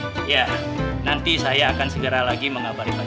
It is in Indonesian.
iya nanti saya akan segera lagi mengabari pak haji